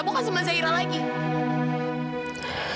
bukan sama zaira lagi